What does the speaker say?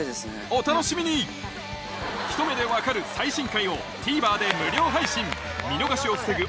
お楽しみに『ひと目でわかる‼』最新回をＴＶｅｒで無料配信見逃しを防ぐ